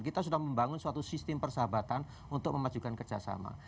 kita sudah membangun suatu sistem persahabatan untuk memajukan kerjasama